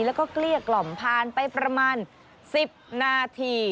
แล้วก็เกลี้ยกล่อมผ่านไปประมาณ๑๐นาที